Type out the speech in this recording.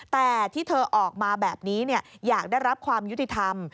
แต่ที่เธอออกมาแบบนี้อยากได้รับความยุติธรรม